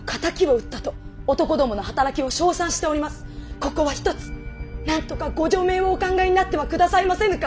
ここはひとつなんとかご助命をお考えになっては下さいませぬか。